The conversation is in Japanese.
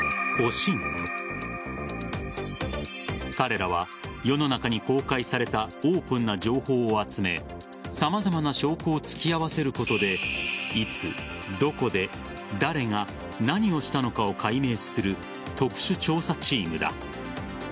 彼らは世の中に公開されたオープンな情報を集め様々な証拠を突き合わせることでいつ、どこで、誰が何をしたのかを解明する特殊調査チームだ。